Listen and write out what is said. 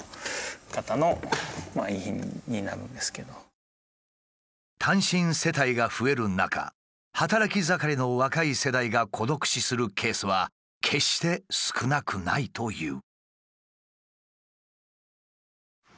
ここは単身世帯が増える中働き盛りの若い世代が孤独死するケースは決して少なくないという。